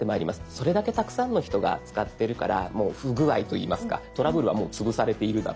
それだけたくさんの人が使ってるからもう不具合といいますかトラブルはもう潰されているだろうとか。